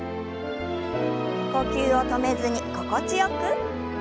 呼吸を止めずに心地よく。